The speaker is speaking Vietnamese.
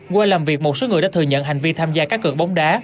qua làm việc một số người đã thừa nhận hành vi tham gia các cực bóng đá